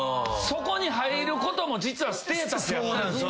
そこに入ることも実はステータスやったりすんねや。